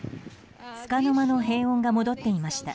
つかの間の平穏が戻っていました。